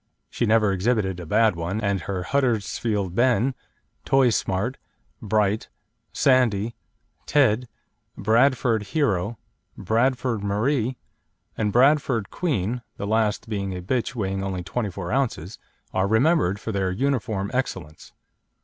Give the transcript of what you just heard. She never exhibited a bad one, and her Huddersfield Ben, Toy Smart, Bright, Sandy, Ted, Bradford Hero, Bradford Marie, and Bradford Queen the last being a bitch weighing only 24 oz. are remembered for their uniform excellence.